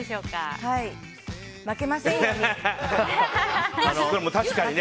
負けませんように。